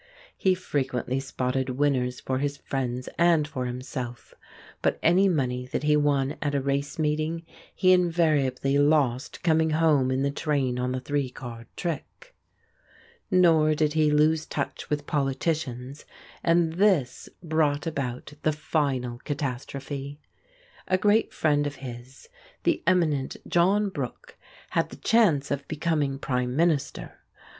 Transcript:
He frequently spotted winners for his friends and for himself, but any money that he won at a race meeting he invariably lost coming home in the train on the Three Card Trick. Nor did he lose touch with politicians, and this brought about the final catastrophe. A great friend of his, the eminent John Brooke, had the chance of becoming Prime Minister.